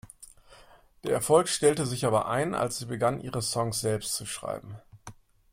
Der Erfolg stellte sich aber ein, als sie begann, ihre Songs selbst zu schreiben.